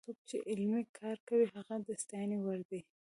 څوک چې علمي کار کوي هغه د ستاینې وړ دی.